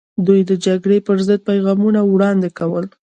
دوی د جګړې پر ضد پیغامونه وړاندې کول.